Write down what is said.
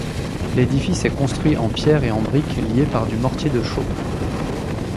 L'édifice est construit en pierres et en briques liées par du mortier de chaux.